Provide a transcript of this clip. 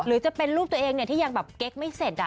หรือจะเป็นรูปตัวเองที่ยังแบบเก๊กไม่เสร็จ